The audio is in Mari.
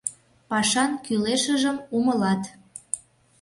Пашан кӱлешыжым умылат.